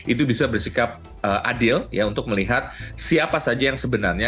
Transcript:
itu bisa bersikap adil untuk melihat siapa saja yang sebenarnya